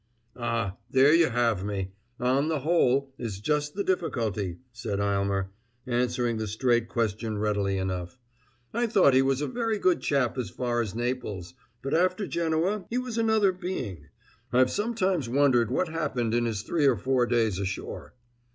"Ah, there you have me. 'On the whole' is just the difficulty," said Aylmer, answering the straight question readily enough. "I thought he was a very good chap as far as Naples, but after Genoa he was another being. I've sometimes wondered what happened in his three or four days ashore."